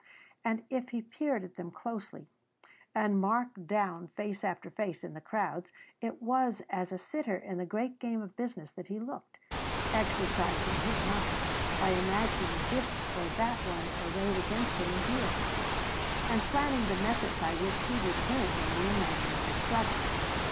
And if he peered at them closely and marked down face after face in the crowds it was as a sitter in the great game of business that he looked, exercising his mind by imagining this or that one arrayed against him in deals, and planning the method by which he would win in the imaginary struggle.